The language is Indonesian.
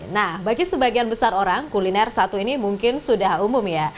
nah bagi sebagian besar orang kuliner satu ini mungkin sudah umum ya